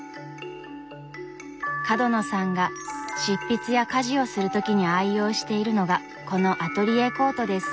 角野さんが執筆や家事をする時に愛用しているのがこのアトリエコートです。